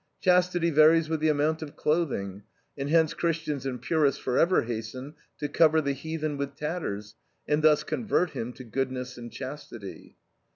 "Chastity varies with the amount of clothing," and hence Christians and purists forever hasten to cover the "heathen" with tatters, and thus convert him to goodness and chastity.